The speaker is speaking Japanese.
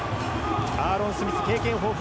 アーロン・スミス、経験豊富。